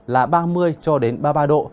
là ba mươi cho đến ba mươi ba độ